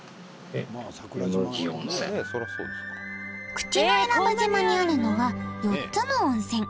口永良部島にあるのは４つの温泉